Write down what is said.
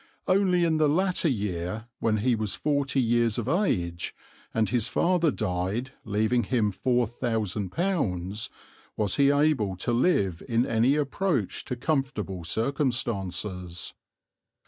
Only in the latter year, when he was forty years of age, and his father died leaving him £4000, was he able to live in any approach to comfortable circumstances.